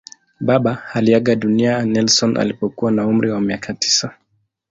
Baba aliaga dunia Nelson alipokuwa na umri wa miaka tisa.